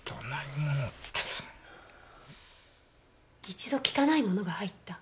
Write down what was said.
一度汚いものが入った。